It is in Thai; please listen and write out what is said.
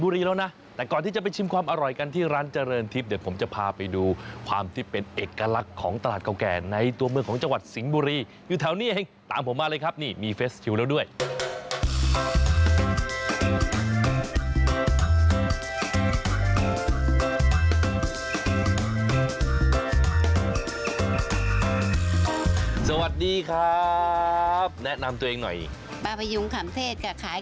ปลาประยุงขำเทศกับขายของสิงห์มุรีมาตั้งแต่พศ๓๓ค่ะ